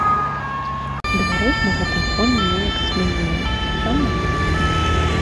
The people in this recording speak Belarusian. Беларусь на гэтым фоне неяк цьмянее, чаму?